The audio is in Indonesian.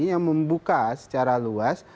yang membuka secara luas